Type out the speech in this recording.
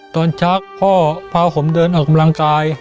ชักพ่อพาผมเดินออกกำลังกาย